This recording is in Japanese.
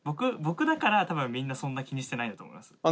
僕だから多分みんなそんな気にしてないんだと思います。